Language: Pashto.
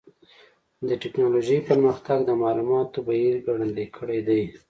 د ټکنالوجۍ پرمختګ د معلوماتو بهیر ګړندی کړی دی.